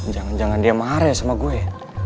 jangan jangan dia marah ya sama gue